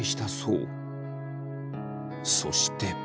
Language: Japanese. そして。